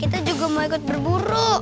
kita juga mau ikut berburu